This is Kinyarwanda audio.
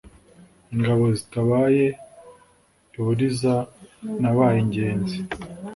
Ingabo zitabaye i Buliza nabaye ingenzi